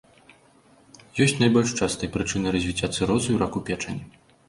Ёсць найбольш частай прычынай развіцця цырозу і раку печані.